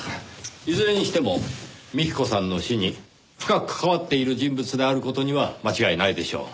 いずれにしても幹子さんの死に深く関わっている人物である事には間違いないでしょう。